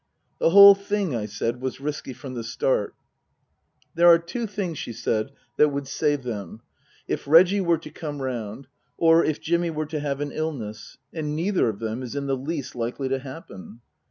" The whole thing," I said, " was risky from the start." " There are two things," she said, " that would save them if Reggie were to come round. Or if Jimmy were to have an illness ; and neither of them is in the least likely to happen."